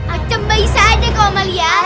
akem baik saja kau amelia